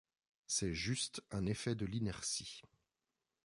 C'est juste un effet de l'inertie.